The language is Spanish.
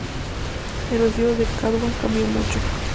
El vestido de Catwoman cambió mucho.